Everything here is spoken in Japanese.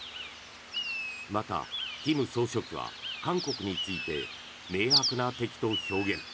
また、金総書記は韓国について明白な敵と表現。